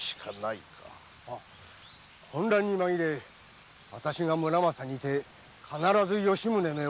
混乱にまぎれ私が「村正」にて必ず吉宗めを。